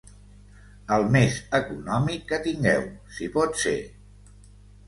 El més econòmic que tingueu, si pot ser.